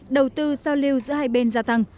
đầu tư giao lưu giữa hai bên gia tăng